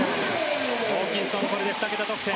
ホーキンソンこれで２桁得点。